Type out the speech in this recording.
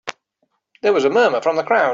There was a murmur from the crowd.